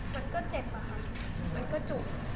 มันก็เจ็บอะค่ะมันก็จุก